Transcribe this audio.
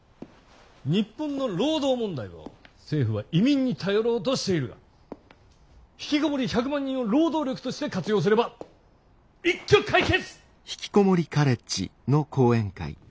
日本の労働問題を政府は移民に頼ろうとしているがひきこもり１００万人を労働力として活用すれば一挙解決！